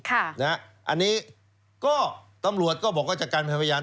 อันนี้ก็ตำรวจก็บอกจะกันเป็นพยาน